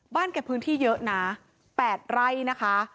บ้านเก็บพื้นที่เยอะนะแปดไร่นะคะ